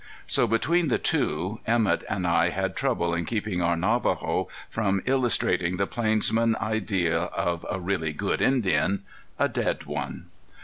So between the two, Emett and I had trouble in keeping our Navajo from illustrating the plainsman idea of a really good Indian a dead one.